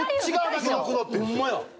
ホンマや。